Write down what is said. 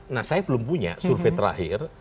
nah saya belum punya survei terakhir